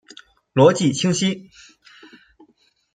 逻辑清晰！